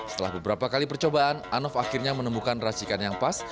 setelah beberapa kali percobaan anof akhirnya menemukan racikan yang pas